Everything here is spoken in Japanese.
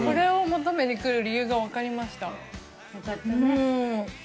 よかったね。